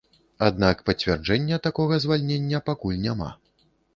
Аднак пацвярджэння такога звальнення пакуль няма.